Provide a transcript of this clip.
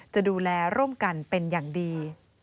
จะดูแลร่วมกันเป็นอย่างดี